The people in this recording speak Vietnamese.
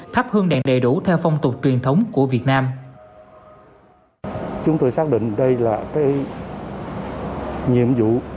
thắp hương đèn đầy đủ theo phong tục truyền thống của việt nam